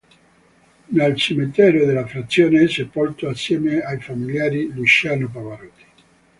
Nel cimitero della frazione è sepolto, assieme ai familiari, Luciano Pavarotti.